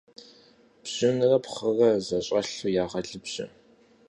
Бжьынрэ пхъырэ зэщӀэлъу ягъэлыбжьэ.